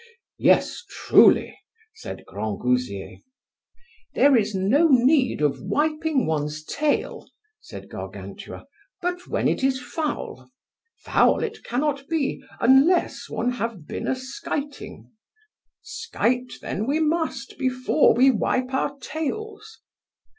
Yes, truly, said Grangousier. There is no need of wiping one's tail, said Gargantua, but when it is foul; foul it cannot be, unless one have been a skiting; skite then we must before we wipe our tails.